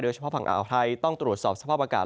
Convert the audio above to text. โดยเฉพาะภังอาศัยไทยต้องตรวจสอบสภาพอากาศ